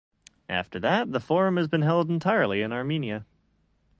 After that, the forum has been held entirely in Armenia.